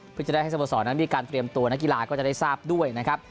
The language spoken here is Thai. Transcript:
เพื่อจะได้ให้สโมสรนั้นมีการเตรียมตัวนักกีฬาก็จะได้ทราบด้วยนะครับ